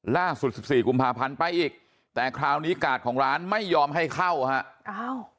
สิบสี่กุมภาพันธ์ไปอีกแต่คราวนี้กาดของร้านไม่ยอมให้เข้าฮะอ้าว